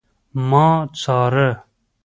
ما څاره